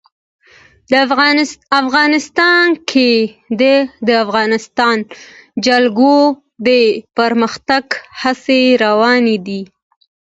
افغانستان کې د د افغانستان جلکو د پرمختګ هڅې روانې دي.